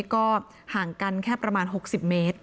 ก็ห่างกันแค่ประมาณ๖๐เมตร